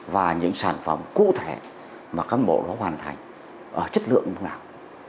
và những sản phẩm cụ thể mà cán bộ đó hoàn thành ở chất lượng nào